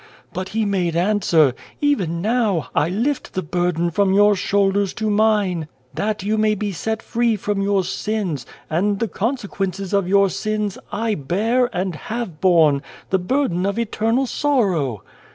" But He made answer, * Even now, I lift the burden from your shoulders to Mine. That you may be set free from your sins, and the consequences of your sins, I bear, and have borne, the burden of eternal sorrow.'